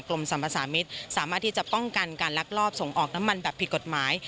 กรมสรรพสามิตรสามารถที่จะป้องกันการลักลอบส่งออกน้ำมันแบบผิดกฎหมาย